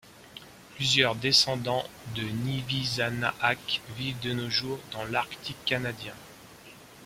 Plusieurs descendants de Nivisanaaq vivent de nos jours dans l'Arctique canadien.